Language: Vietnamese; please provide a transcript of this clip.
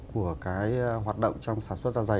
của cái hoạt động trong sản xuất da dày